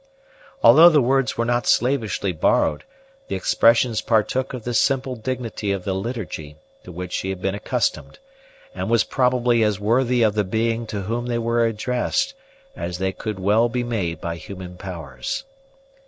Although the words were not slavishly borrowed, the expressions partook of the simple dignity of the liturgy to which she had been accustomed, and was probably as worthy of the Being to whom they were addressed as they could well be made by human powers.